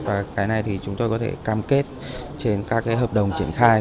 và cái này thì chúng tôi có thể cam kết trên các hợp đồng triển khai